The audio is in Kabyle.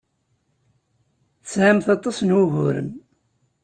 Tesɛamt aṭas n wuguren.